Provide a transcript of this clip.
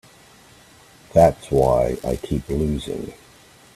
That's why I keep losing.